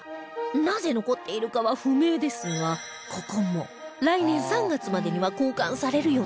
なぜ残っているかは不明ですがここも来年３月までには交換される予定なのだそう